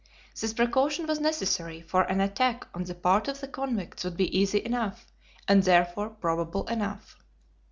This precaution was necessary, for an attack on the part of the convicts would be easy enough, and therefore probable enough.